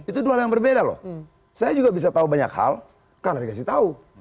itu dua hal yang berbeda loh saya juga bisa tahu banyak hal karena dikasih tahu